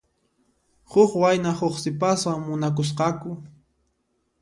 Huk wayna huk sipaspiwan munakusqaku.